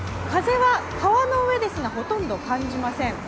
風は川の上ですがほとんど感じません。